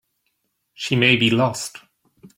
She may be lost.